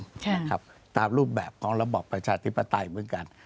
ใช่นะครับตามรูปแบบของระบอบประชาธิปไตยเหมือนกัน